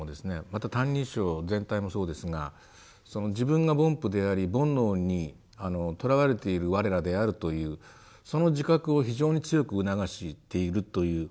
また「歎異抄」全体もそうですが自分が「凡夫」であり煩悩にとらわれているわれらであるというその自覚を非常に強く促しているという。